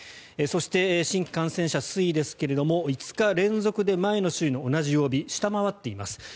そして新規感染者数、推移ですが５日連続で前の週の同じ曜日を下回っています。